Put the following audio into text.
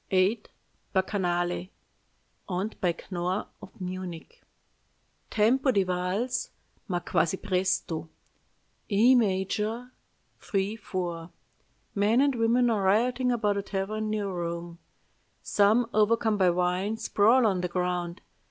"VIII. BACCHANALE (Owned by Knorr of Munich) "Tempo di valse, ma quasi presto, E major, 3 4. Men and women are rioting about a tavern near Rome. Some, overcome by wine, sprawl on the ground.